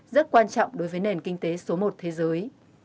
rất quan trọng đối với nền kinh tế số một thế giới